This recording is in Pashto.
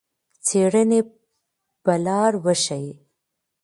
څېړنې به لار وښيي.